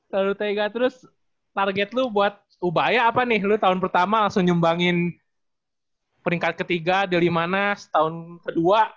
terlalu tega terus target lu buat ubaya apa nih lu tahun pertama langsung nyumbangin peringkat ketiga dari mana tahun kedua